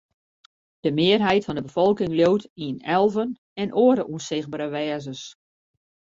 De mearheid fan de befolking leaut yn elven en oare ûnsichtbere wêzens.